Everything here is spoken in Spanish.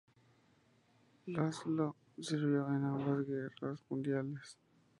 László sirvió en ambas guerras mundiales.